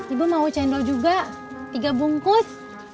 ibu mau cendol juga tiga bungkus